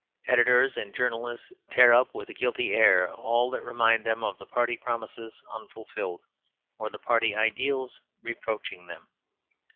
Editors and journalists tear up with a guilty air all that reminds them of the party promises unfulfilled, or the party ideals reproaching them.